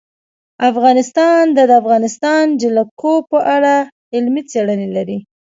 افغانستان د د افغانستان جلکو په اړه علمي څېړنې لري.